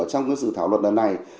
trong sự thảo luận này